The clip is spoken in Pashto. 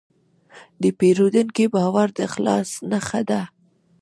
د پیرودونکي باور د اخلاص نښه ده.